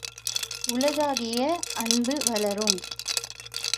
உளதாகிய அன்பு வளரும்.